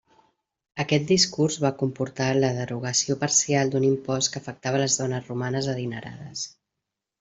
Aquest discurs va comportar la derogació parcial d'un impost que afectava les dones romanes adinerades.